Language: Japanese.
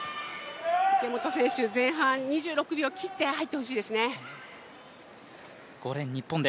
池本選手、前半２６秒切って入ってほしいですね。